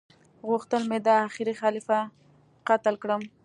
غوښتل مي دا اخيري خليفه قتل کړم